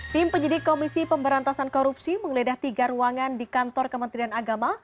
tim penyidik komisi pemberantasan korupsi menggeledah tiga ruangan di kantor kementerian agama